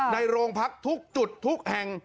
ในโรงพักทุกจุดทุกแห่ง